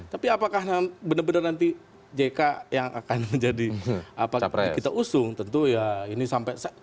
tapi apakah benar benar nanti jk yang akan menjadi apa seperti kita usung tentu ya ini sampai